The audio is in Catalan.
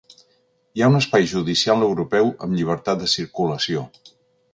Hi ha un espai judicial europeu amb llibertat de circulació.